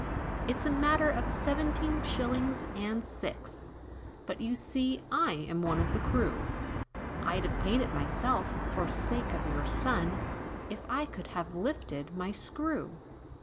"It's a matter of seventeen shillings and six, But you see, I am one of the crew, I'd have paid it myself, for sake of your son, If I could have lifted my screw."